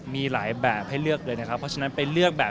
มีหลายแบบให้เลือกเลย